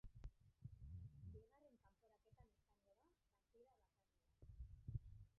Bigarren kanporaketan izango da, partida bakarrera.